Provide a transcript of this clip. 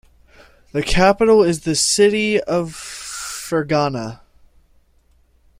The capital is the city of Fergana.